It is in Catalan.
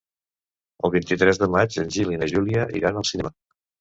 El vint-i-tres de maig en Gil i na Júlia iran al cinema.